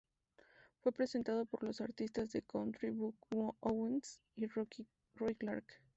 Fue presentado por los artistas de country Buck Owens y Roy Clark.